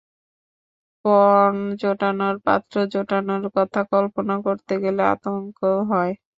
পণ জোটানোর, পাত্র জোটানোর কথা কল্পনা করতে গেলে আতঙ্ক হয়।